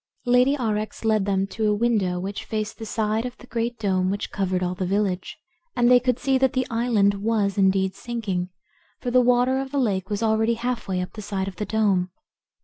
Lady Aurex led them to a window which faced the side of the great dome which covered all the village, and they could see that the island was indeed sinking, for the water of the lake was already half way up the side of the dome.